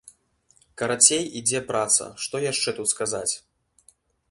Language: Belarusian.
Карацей, ідзе праца, што яшчэ тут сказаць?